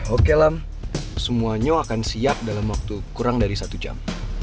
oke lam semuanya akan siap dalam waktu kurang dari satu jam